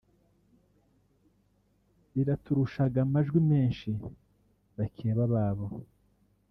ritarushaga amajwi menshi bakeba babo